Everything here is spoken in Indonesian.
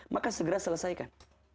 maka segera selesaikan